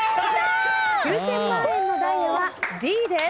９，０００万円のダイヤはＤです。